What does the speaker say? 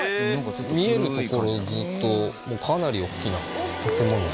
見えるところずっとかなり大きな建物でして。